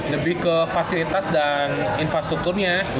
lebih ke fasilitas dan infrastrukturnya